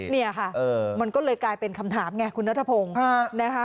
เนี่ยค่ะมันก็เลยกลายเป็นคำถามไงคุณนัทพงศ์นะคะ